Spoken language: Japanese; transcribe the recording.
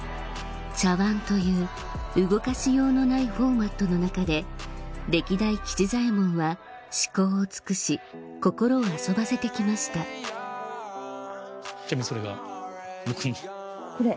茶碗という動かしようのないフォーマットの中で歴代吉左衞門は思考を尽くし心を遊ばせて来ましたこれ？